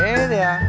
terima kasih banyak